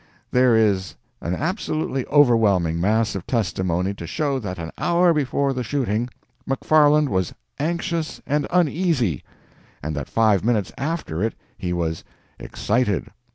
There is an absolutely overwhelming mass of testimony to show that an hour before the shooting, McFarland was ANXIOUS AND UNEASY, and that five minutes after it he was EXCITED.